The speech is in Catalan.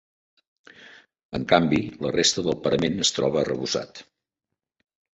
En canvi, la resta del parament es troba arrebossat.